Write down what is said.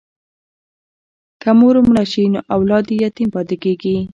که مور مړه شي نو اولاد یې یتیم پاتې کېږي.